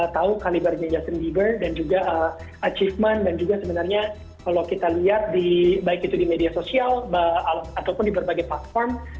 kita tahu kalibernya justin bieber dan juga achievement dan juga sebenarnya kalau kita lihat di baik itu di media sosial ataupun di berbagai platform